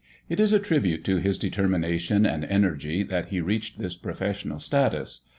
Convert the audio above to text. It is a tribute to his determination and energy that he reached this professional status.